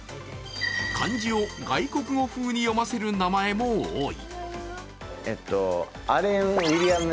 漢字を外国語風に読ませる名前も多い。